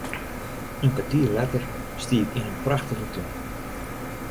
In kertier letter stie ik yn in prachtige tún.